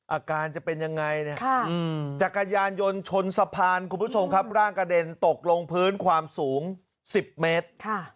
อาการจะเป็นยังไงเนี่ยจักรยานยนต์ชนสะพานคุณผู้ชมครับร่างกระเด็นตกลงพื้นความสูง๑๐เมตร